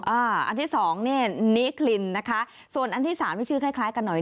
อันที่๒นี่นิคลินส่วนอันที่๓มีชื่อคล้ายกันหน่อย